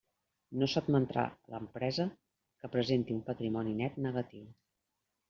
No s'admetrà l'empresa que presenti un patrimoni net negatiu.